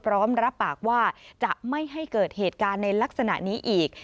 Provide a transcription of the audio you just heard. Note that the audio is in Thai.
พร้อมรับปากว่าจะไม่ให้เกิดเหตุการณ์ในลักษณะนี้อีก